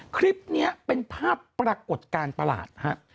คลิปเนี่ยเป็นภาพปรากฏการณ์ตรากฏ